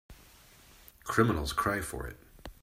Criminals cry for it.